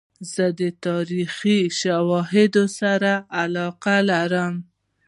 زه د تاریخي شواهدو سره علاقه لرم.